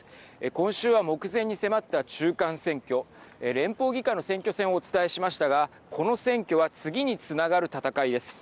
今週は目前に迫った中間選挙連邦議会の選挙戦をお伝えしましたがこの選挙は次につながる戦いです。